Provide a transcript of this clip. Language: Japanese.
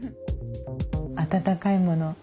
温かいものお茶